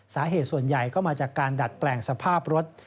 สาเหตุส่วนใหญ่ก็มาจากการดัดแปลงสภาพรถ